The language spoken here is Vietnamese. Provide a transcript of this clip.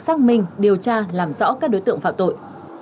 xác minh điều tra làm rõ các đối tượng phạm tội